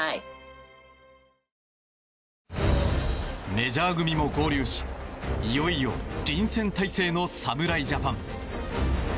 メジャー組も合流しいよいよ臨戦態勢の侍ジャパン。